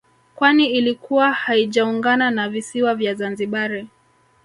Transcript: Kwani ilikuwa haijaungana na visiwa vya Zanzibari